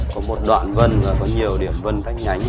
có một đoạn vân và có nhiều điểm vân cách nhánh